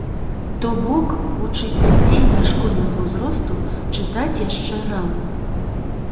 То бок вучыць дзяцей дашкольнага ўзросту чытаць яшчэ рана.